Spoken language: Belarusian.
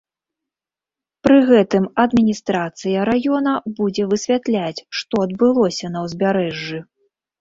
Пры гэтым адміністрацыя раёна будзе высвятляць, што адбылося на ўзбярэжжы.